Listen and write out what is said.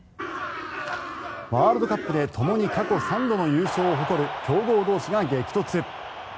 ワールドカップでともに過去３度の優勝を誇る強豪同士が激突。